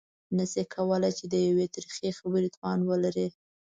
نه شي کولای چې د يوې ترخې خبرې توان ولري.